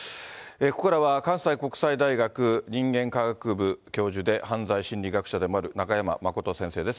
ここからは関西国際大学人間科学部教授で犯罪心理学者でもある中山誠先生です。